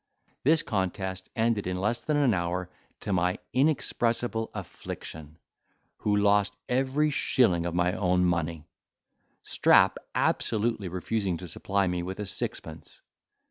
This contest ended in less than an hour to my inexpressible affliction, who lost every shilling of my own money, Strap absolutely refusing to supply me with a sixpence.